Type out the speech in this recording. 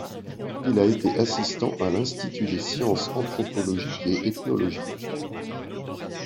Il a été assistant à l'Institut des sciences anthropologiques et ethnologiques.